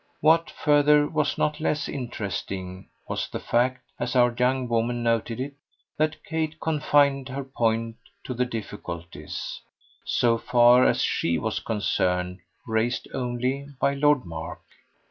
What, further, was not less interesting was the fact, as our young woman noted it, that Kate confined her point to the difficulties, so far as SHE was concerned, raised only by Lord Mark.